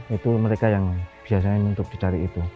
itu mereka yang biasanya untuk dari itu